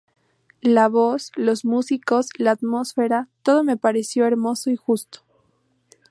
La voz, los músicos, la atmósfera, todo me pareció hermoso y justo.